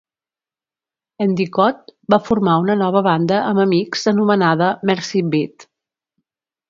Endicott va formar una nova banda amb amics anomenada Mercy Beat.